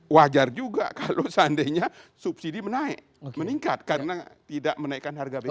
wajar juga kalau seandainya subsidi meningkat karena tidak menaikkan harga bbm